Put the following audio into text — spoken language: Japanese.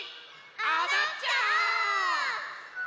おどっちゃおう！